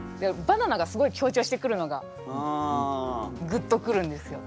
バナナがすごい強調してくるのがグッと来るんですよ。